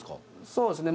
そうですね。